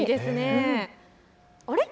あれ？